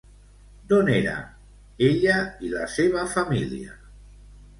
D'on era ella i la seva família?